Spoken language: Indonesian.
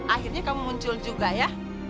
akhirnya kamu muncul juga ya